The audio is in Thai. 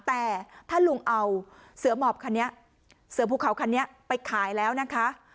แต่ถ้าลุงเอาเสือหมอบคันนี้เสือภูเขาคันนี้ไปขายแล้วนะคะ